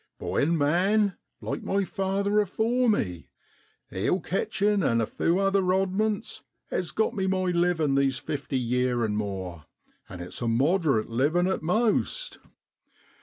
Boy an' man, like my father afore me, eel cat chin' an' a few other odd ments has got me my livin' these fifty yeer an' more, and it's a mod'rate livin' at most.